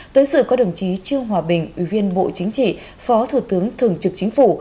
tới sự có đồng chí trương hòa bình ủy viên bộ chính trị phó thủ tướng thường trực chính phủ